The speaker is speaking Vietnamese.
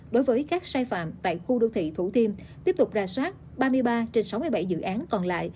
đối với các sai phạm tại khu đô thị thủ thiêm tiếp tục ra soát ba mươi ba trên sáu mươi bảy dự án còn lại